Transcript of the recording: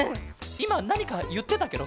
いまなにかいってたケロ？